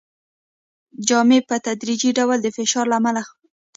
جامې په تدریجي ډول د فشار له امله څیریږي.